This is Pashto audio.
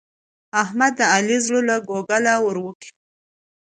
احمد د علي زړه له کوګله ور وکېښ.